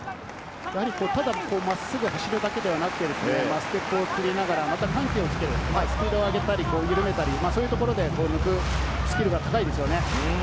ただ真っすぐ走るだけではなく、ステップを繰りながら、また緩急をつけてスピードをゆるめたり、そういうスキルが高いですよね。